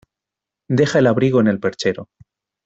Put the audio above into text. Deja el abrigo en el perchero.